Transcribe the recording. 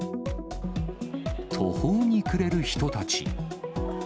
途方に暮れる人たち。